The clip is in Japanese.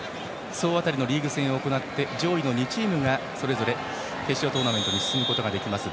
総当たりのリーグ戦を行って上位の２チームがそれぞれ決勝トーナメントに進むことができます。